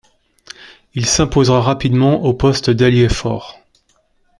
Il s'imposa rapidement au poste d'ailier-fort.